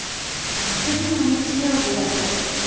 次の日曜日はどう？